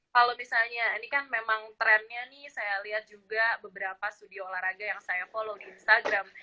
kalau misalnya ini kan memang trennya nih saya lihat juga beberapa studio olahraga yang saya follow di instagram